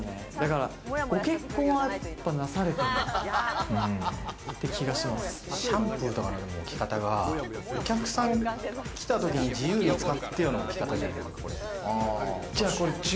ご結婚はなされてるって気がシャンプーとかの置き方がお客さん来たときに、自由に使ってよの置き方じゃない。